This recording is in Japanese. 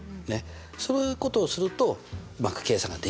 そういうことをするとうまく計算ができると。